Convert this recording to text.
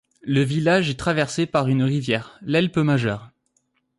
Le village est traversé par une rivière, l'Helpe Majeure.